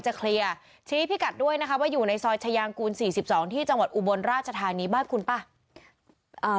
เคลียร์ชี้พิกัดด้วยนะคะว่าอยู่ในซอยชายางกูล๔๒ที่จังหวัดอุบลราชธานีบ้านคุณป่ะ